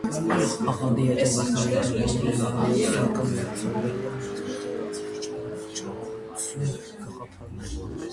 Աղանդի հետևորդները դավանել են արիոսական և սաբելյան (աստվածաչարչարություն) գաղափարներ։